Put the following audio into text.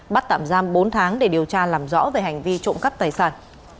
bắt tạm giam bốn tháng để điều tra làm rõ về hành vi trộm cắp tài sản